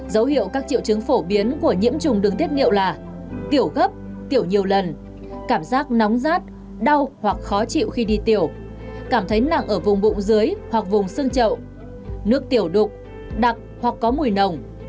dấu hiệu các triệu chứng phổ biến của nhiễm trùng đường tiết niệu là tiểu gấp tiểu nhiều lần cảm giác nóng rát đau hoặc khó chịu khi đi tiểu cảm thấy nặng ở vùng bụng dưới hoặc vùng xương trậu nước tiểu đục đặc hoặc có mùi nồng